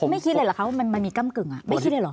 คิดเลยเหรอคะว่ามันมีก้ำกึ่งไม่คิดเลยเหรอ